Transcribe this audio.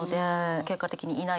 結果的にいないって。